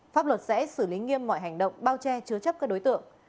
pháp luật sẽ xử lý nghiêm mọi hành động bao che chứa chấp các đối tượng